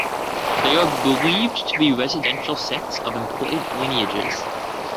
They are believed to be residential sets of important lineages.